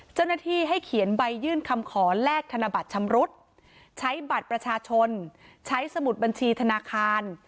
ใช้บัตรประชาชนใช้สมุดบัญชีธนาคาร